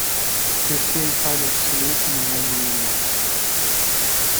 Perché i file obsoleti non vengono rimossi.